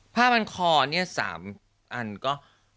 ผ้าพันคอเนี่ย๓อันก็